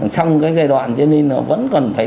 xong cái giai đoạn cho nên nó vẫn cần phải